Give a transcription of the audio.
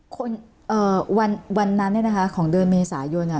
เอ่อวันวันนั้นเนี่ยนะคะของเดือนเมษายนอ่ะ